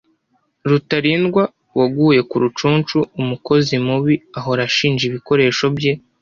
rutarindwa waguye ku rucunshu. umukozi mubi ahora ashinja ibikoresho bye.